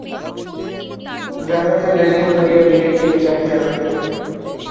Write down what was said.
জাহাজের রেলিং ধরিয়া তীরের দিকে চাহিয়া রহিল।